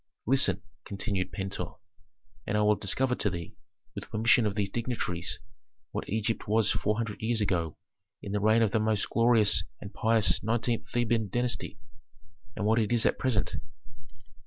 "Listen," continued Pentuer, "and I will discover to thee, with permission of these dignitaries, what Egypt was four hundred years ago in the reign of the most glorious and pious nineteenth Theban dynasty, and what it is at present.